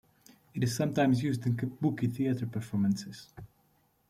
It is sometimes used in kabuki theatre performances.